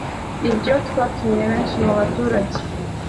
ibyo byatumye benshi mubaturage